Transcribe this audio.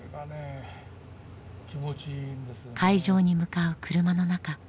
会場に向かう車の中。